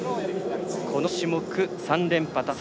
この種目、３連覇達成。